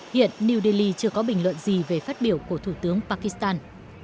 hiện new delhi chưa có bình luận gì về phát biểu của thủ tướng pakistan